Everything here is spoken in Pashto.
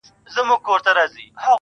دغه سُر خالقه دغه تال کي کړې بدل.